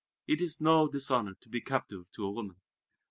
"It is no dishonor to be captive to a woman."